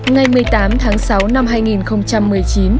ngày một mươi tám tháng sáu năm hai nghìn một mươi chín